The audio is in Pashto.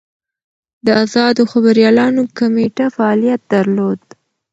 د ازادو خبریالانو کمېټه فعالیت درلود.